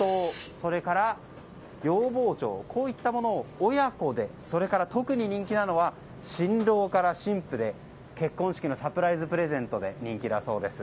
それから、洋包丁こういったものを親子でそれから特に人気なのは新郎から新婦で結婚式のサプライズプレゼントで人気だそうです。